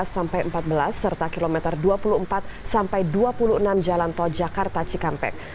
serta kilometer dua puluh empat dua puluh enam jalan tol jakarta cikampek